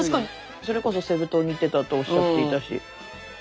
それこそセブ島に行ってたとおっしゃっていたし。